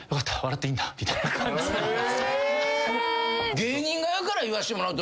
芸人側から言わしてもらうと。